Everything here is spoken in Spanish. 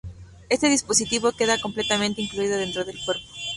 Este dispositivo queda completamente incluido dentro del cuerpo.